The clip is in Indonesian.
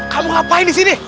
kamu ngapain disini